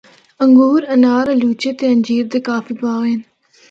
انگور، انار، آلوچے تے انجیر دے کافی باغ ہن۔